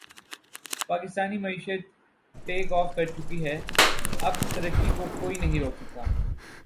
پاکستانی معشیت take off کرچکی ھے اب ترقی کو کوئی نہیں روک سکتا